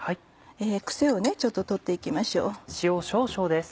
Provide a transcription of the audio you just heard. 癖をちょっと取っていきましょう。